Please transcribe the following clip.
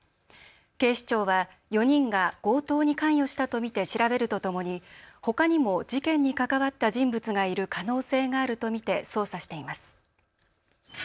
警視庁は４人が強盗に関与したと見て調べるとともにほかにも事件に関わった人物がいる可能性があるとみて捜査しています。